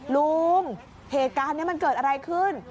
ลุงเหตุการณ์นี้มันเกิดอะไรขึ้น